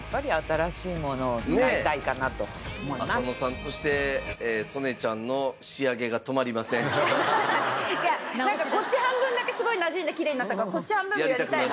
浅野さんそしてこっち半分だけすごいなじんできれいになったからこっち半分もやりたいなと。